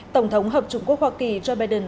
tổng thống hợp chủng quốc hoa kỳ joe biden